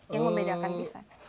yang membedakan bisa